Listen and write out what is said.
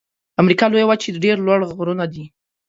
د امریکا لویې وچې ډېر لوړ غرونه دي.